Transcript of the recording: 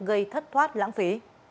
gây thất thoát lãng phí